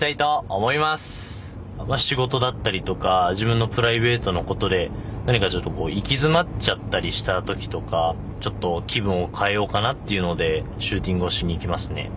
仕事だったりとか自分のプライベートのことで何かちょっとこう行き詰まっちゃったりしたときとかちょっと気分を変えようかなっていうのでシューティングをしに行きますね。